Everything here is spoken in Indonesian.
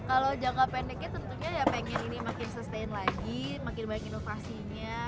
kalau jangka pendeknya tentunya ya pengen ini makin sustain lagi makin banyak inovasinya